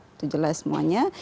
itu jelas semuanya